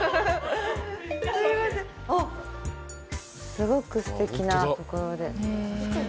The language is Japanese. すごくすてきなところで。